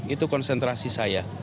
itu konsentrasi saya